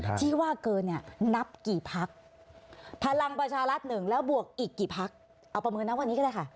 ที่ว่าเกินเนี่ยนับกี่พักพลังประชารัฐหนึ่งแล้วบวกอีกกี่พักเอาประเมินนะวันนี้ก็ได้ค่ะ